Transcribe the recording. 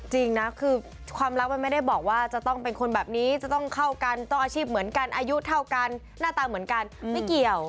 จริงนะคือความรักมันไม่ได้บอกว่าจะต้องเป็นคนแบบนี้จะต้องเข้ากันต้องอาชีพเหมือนกันอายุเท่ากันหน้าตาเหมือนกันไม่เกี่ยว